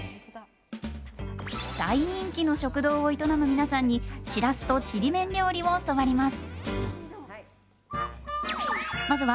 大人気の食堂を営むみなさんにしらすとちりめん料理を教わります！